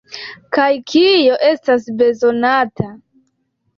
Kaj kio estas bezonata?